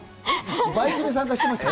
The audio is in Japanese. バイクで参加してますね。